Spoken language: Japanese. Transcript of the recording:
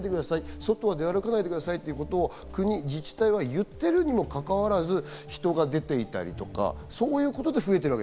外は出歩かないでくださいということを国や自治体が言っているにもかかわらず、人が出ていたりとかそういうことで増えている。